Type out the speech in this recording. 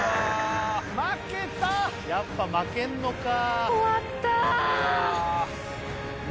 やっぱ負けるのか。